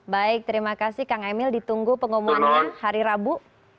baik terima kasih kang emil ditunggu pengumumannya hari rabu